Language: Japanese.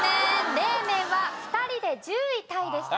冷麺は２人で１０位タイでした。